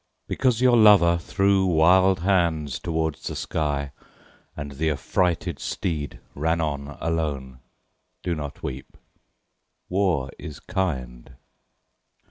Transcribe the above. Because your lover threw wild hands toward the sky And the affrighted steed ran on alone, Do not weep. War is kind.